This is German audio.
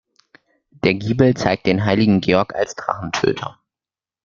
Der Giebel zeigt den heiligen Georg als Drachentöter.